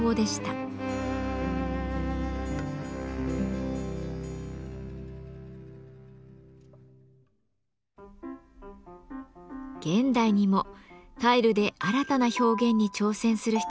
現代にもタイルで新たな表現に挑戦する人がいます。